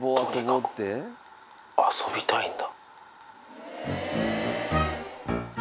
遊びたいんだ。